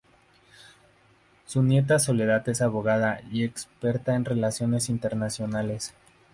Su nieta Soledad es abogada y experta en relaciones internacionales.